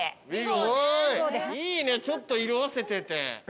いいねちょっと色あせてて。